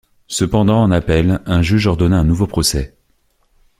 Cependant en appel, un juge ordonna un nouveau procès.